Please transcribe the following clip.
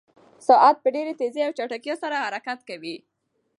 ساعت په ډېرې تېزۍ او چټکتیا سره حرکت کوي.